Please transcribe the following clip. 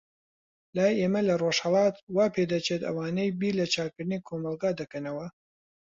لای ئێمە لە ڕۆژهەلات، وا پێدەچێت ئەوانەی بیر لە چاکردنی کۆمەلگا دەکەنەوە.